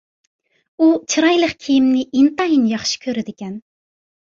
ئۇ چىرايلىق كىيىمنى ئىنتايىن ياخشى كۆرىدىكەن،